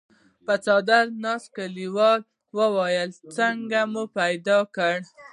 پر څادر ناست کليوال وويل: څنګه مو پيدا کړ؟